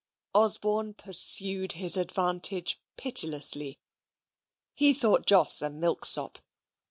Osborne pursued his advantage pitilessly. He thought Jos a milksop.